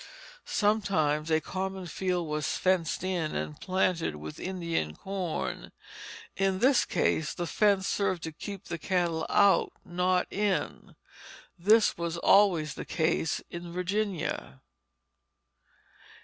Sometimes a common field was fenced in and planted with Indian corn. In this case the fence served to keep the cattle out, not in. This was always the case in Virginia.